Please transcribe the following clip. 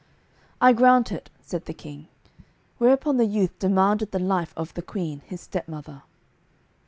"I grant it," said the king, whereupon the youth demanded the life of the queen, his stepmother.